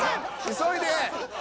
急いで。